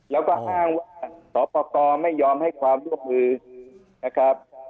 แล้วก็อ้างว่าสอปกรไม่ยอมให้ความร่วมมือนะครับ